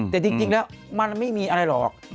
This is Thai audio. แต่จริงแล้วมันไม่มีอะไรหรอก